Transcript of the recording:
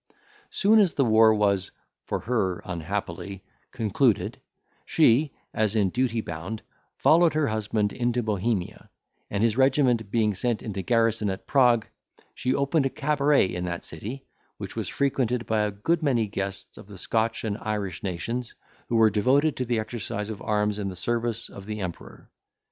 Soon as the war was (for her unhappily) concluded, she, as in duty bound, followed her husband into Bohemia; and his regiment being sent into garrison at Prague, she opened a cabaret in that city, which was frequented by a good many guests of the Scotch and Irish nations, who were devoted to the exercise of arms in the service of the Emperor.